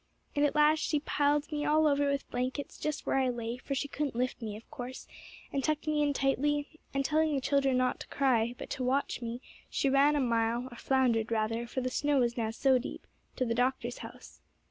And at last she piled me all over with blankets just where I lay, for she couldn't lift me, of course, and tucked me in tightly; and telling the children not to cry, but to watch me, she ran a mile, or floundered rather for the snow was now so deep to the doctor's house."